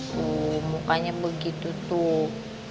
tuh mukanya begitu tuh